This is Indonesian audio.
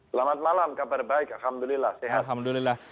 selamat malam kabar baik alhamdulillah